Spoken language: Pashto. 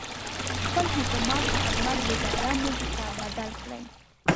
خپل حکومت په خدمت ګذاره مؤسسه بدل کړي.